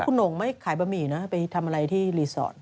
คุณหน่งไม่ขายบะหมี่นะไปทำอะไรที่รีสอร์ท